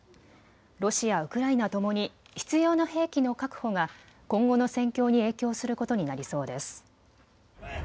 ロシア、ウクライナともに必要な兵器の確保が今後の戦況に影響することになりそうです。